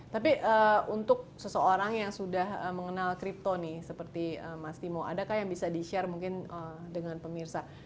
tapi untuk seseorang yang sudah mengenal crypto nih seperti mas timo adakah yang bisa di share mungkin dengan pemirsa